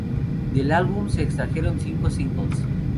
Del álbum se extrajeron cinco singles.